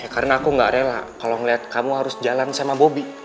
karena aku gak rela kalo ngeliat kamu harus jalan sama bobi